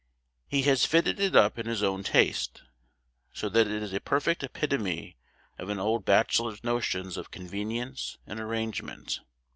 He has fitted it up in his own taste, so that it is a perfect epitome of an old bachelor's notions of convenience and arrangement.